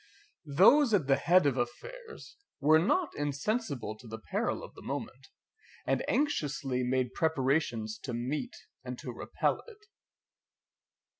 Those at the head of affairs were not insensible to the peril of the moment, and anxiously made preparations to meet and to repel it.